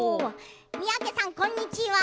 三宅さん、こんにちは。